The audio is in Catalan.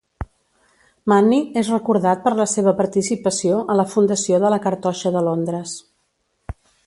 Manny és recordat per la seva participació a la fundació de la Cartoixa de Londres.